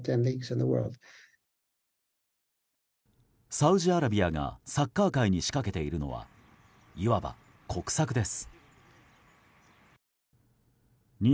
サウジアラビアがサッカー界に仕掛けているのはいわば国策です。